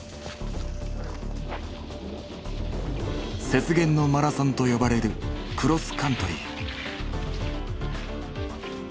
「雪原のマラソン」と呼ばれるクロスカントリー。